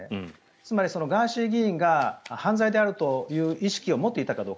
つまりガーシー議員が犯罪であるという意識を持っていたかどうか。